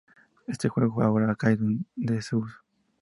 Este juego ahora ha caído en desuso.